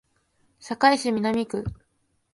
堺市南区